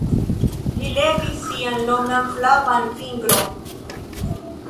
Li levis sian longan flavan fingron.